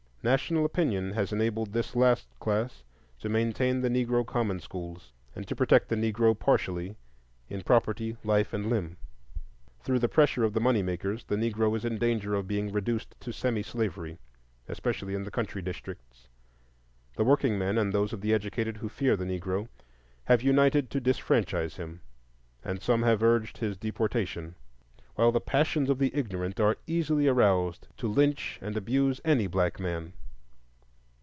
National opinion has enabled this last class to maintain the Negro common schools, and to protect the Negro partially in property, life, and limb. Through the pressure of the money makers, the Negro is in danger of being reduced to semi slavery, especially in the country districts; the workingmen, and those of the educated who fear the Negro, have united to disfranchise him, and some have urged his deportation; while the passions of the ignorant are easily aroused to lynch and abuse any black man.